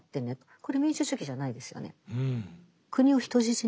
これ民主主義じゃないですよね。